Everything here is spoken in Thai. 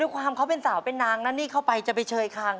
ข้ามคืนแล้วผมจะตีทะเบียน